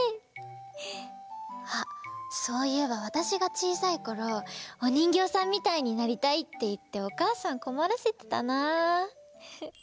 あそういえばわたしがちいさいころおにんぎょうさんみたいになりたいっていっておかあさんこまらせてたなあ。